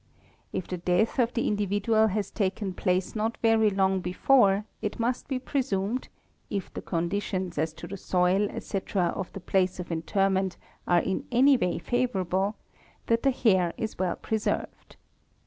If the death of the individual has taken _ place not very long before it must be presumed, if the conditions as to the soil, etc., of the place of interment are in any way favourable, that the hair is well preserved.